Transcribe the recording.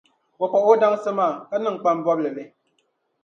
o paɣi o dansi maa, ka niŋ kpam bɔbili li.